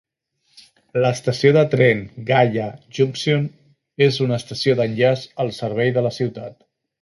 L'estació de tren Gaya Junction és una estació d'enllaç al servei de la ciutat.